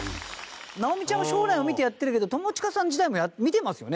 直美ちゃんは将来を見てやってるけど友近さん自体も見てますよね